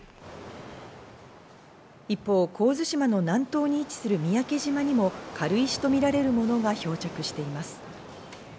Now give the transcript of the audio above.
一方、神津島の南東に位置する三宅島にも軽石とみられるものが漂着しています。